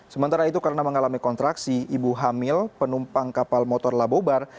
sementara itu karena mengalami kontraksi ibu hamil penumpang kapal motor labobar